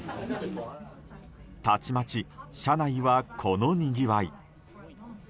たちまち車内はこのにぎわい。